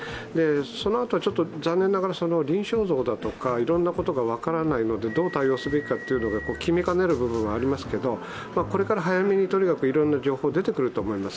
そのあとは残念ながら臨床像とか、いろいろなことが分からないのでどう対応すべきかというのが決めかねる部分がありますけれども、これから早めにいろんな情報が出てくると思います。